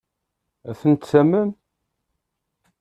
Ad ten-tamen?